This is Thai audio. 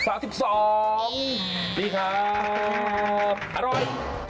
สวัสดีครับอร่อย